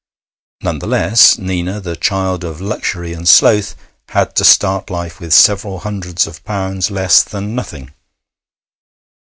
None the less, Nina, the child of luxury and sloth, had to start life with several hundreds of pounds less than nothing.